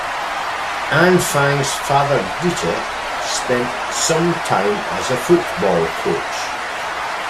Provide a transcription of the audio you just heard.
Anfang's father Dieter spent some time as a football coach.